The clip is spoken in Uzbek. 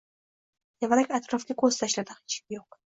Tevarak-atrofga koʻz tashladi, hech kim yoʻq